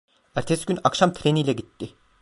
Ertesi gün, akşam treniyle gitti.